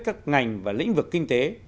các ngành và lĩnh vực kinh tế